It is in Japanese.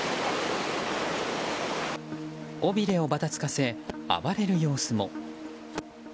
尾びれをばたつかせ暴れる様子も。